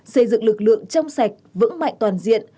xây dựng lực lượng trong sạch vững mạnh toàn diện